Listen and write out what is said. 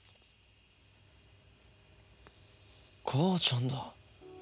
母ちゃんだ。